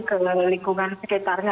ke lingkungan sekitarnya